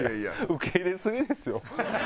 受け入れすぎですよ。